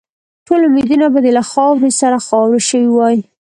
ټول امیدونه به دې له خاورو سره خاوري شوي وای.